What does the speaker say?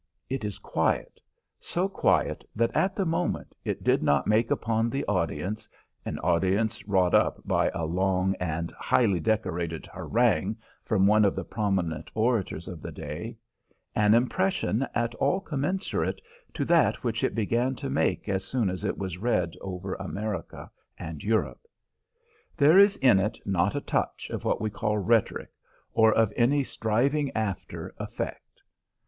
It is quiet, so quiet that at the moment it did not make upon the audience, an audience wrought up by a long and highly decorated harangue from one of the prominent orators of the day, an impression at all commensurate to that which it began to make as soon as it was read over America and Europe. There is in it not a touch of what we call rhetoric, or of any striving after effect.